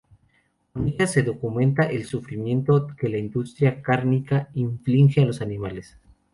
Con ellas se documenta el sufrimiento que la industria cárnica inflige a los animales.